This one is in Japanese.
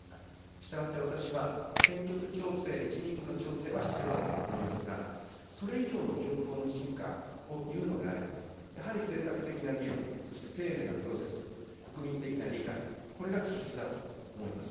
したがって私は、選挙区調整、１人区の調整は必要だと思いますが、それ以上の共闘の深化をいうのであれば、やはり政策的な議論、そして丁寧なプロセス、国民的な理解、これが必須だと思います。